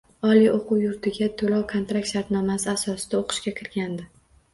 Oliy o‘quv yurtiga to‘lov -kontrakt shartnoma asosida o‘qishga kirganda